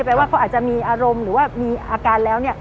ว่าเขาอาจจะมีอารมณ์หรือว่ามีอาการแล้ว